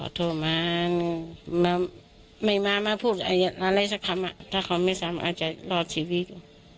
มาขอโทษมาไม่มามาพูดอะไรสักคำอ่ะถ้าเขาไม่สามารถจะรอชีวิต